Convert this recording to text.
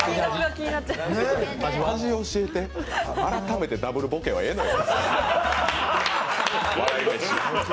味教えて、改めてダブルボケはええのよ。